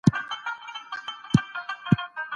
ايا دا سرچينې پاکي دي؟